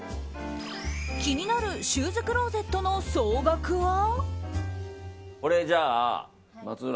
気になるシューズクローゼットの総額は？